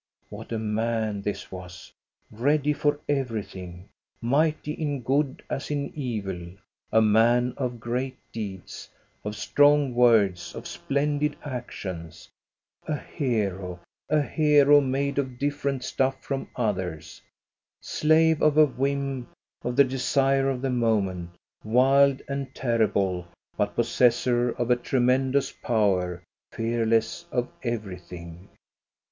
What a man this was, ready for everything, mighty in good as in evil, a man of great deeds, of strong words, of splendid actions ! A hero, a hero, made of different stuff from others ! Slave of a whim, of the desire of the moment, wild and terrible, but possessor of a tre mendous power, fearless of everything.